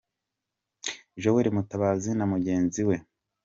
Joel Mutabazi na mugenzi we Pvt.